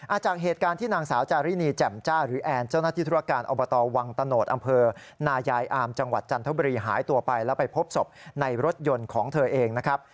จากเหตุการณ์ที่นางสาวจารินีแจ่มจ้าหรือแอนเจ้าหน้าที่ธุรการอบตวังตะโนธอำเภอนายายอามจังหวัดจันทบุรีหายตัวไปแล้วไปพบศพในรถยนต์ของเธอเองนะครับ